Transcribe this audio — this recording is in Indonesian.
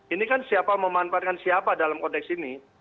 ini kan siapa memanfaatkan siapa dalam konteks ini